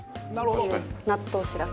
納豆しらす。